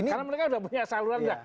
karena mereka sudah punya saluran